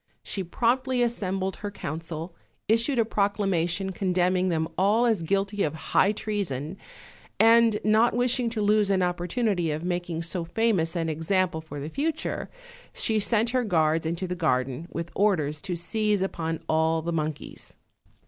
She promptly as sembled her council, issued a proclamation condemning them all as guilty of high treason; and not wishing to lose an opportunity of making so famous an example for the future, she sent her guards into the garden, with orders to seize upon all the monkeys.